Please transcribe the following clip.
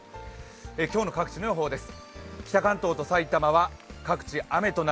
今日の各地の予報です。